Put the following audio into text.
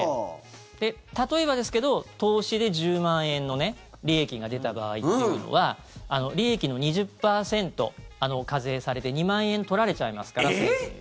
で、例えばですけど投資で１０万円の利益が出た場合というのは利益の２０％課税されて２万円取られちゃいますから。